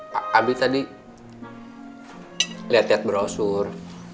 pak abi tadi liat liat brosur